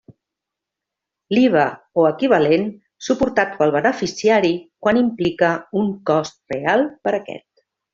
L'IVA o equivalent, suportat pel beneficiari quan implique un cost real per a aquest.